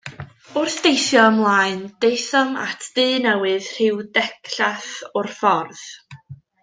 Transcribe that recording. Wrth deithio ymlaen, daethom at dŷ newydd rhyw ddegllath o'r ffordd.